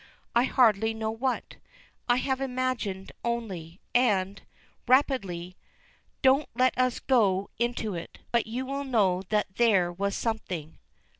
I hardly know what; I have imagined only, and," rapidly, "don't let us go into it, but you will know that there was something."